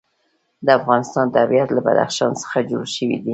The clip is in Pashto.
د افغانستان طبیعت له بدخشان څخه جوړ شوی دی.